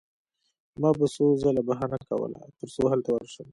ما به څو ځله بهانه کوله ترڅو هلته ورشم